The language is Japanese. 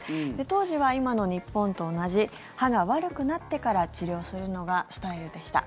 当時は今の日本と同じ歯が悪くなってから治療するのがスタイルでした。